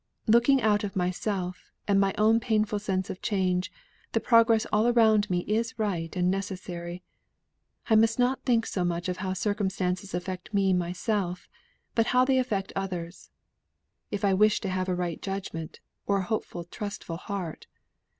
Looking out of myself and my own painful sense of change, the progress of all around me is right and necessary. I must not think so much of how circumstances affect me myself, but how they affect others, if I wish to have a right judgment, or a hopeful trustful heart."